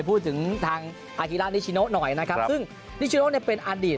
พูดถึงทางอาฮิลานิชิโนหน่อยนะครับซึ่งนิชิโนเนี่ยเป็นอดีต